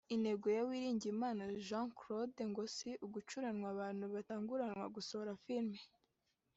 Intego ya Uwiringiyimana Jean-Claude ngo si ugucuranwa abantu batanguranwa gusohora filimei